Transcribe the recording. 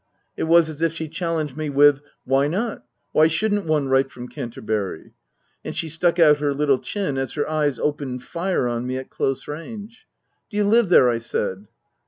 It was as if she challenged me with " Why not ? Why shouldn't one write from Canterbury ?" And she stuck out her little chin as her eyes opened fire on me at close range. " Do you live there ?" I said.